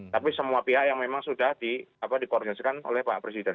tapi semua pihak yang memang sudah dikoordinasikan oleh pak presiden